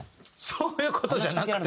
そういう事じゃなくて。